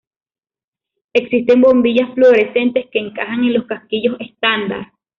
Existen bombillas fluorescentes que encajan en los casquillos estándar.